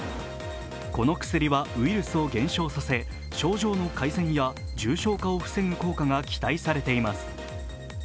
この薬はウイルスを減少させ症状の改善や重症化を防ぐ効果が期待されています。